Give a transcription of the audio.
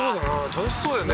楽しそうだよね